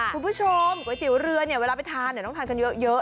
คุณผู้ชมก๋วยเตี๋ยวเรือเนี่ยเวลาไปทานต้องทานกันเยอะ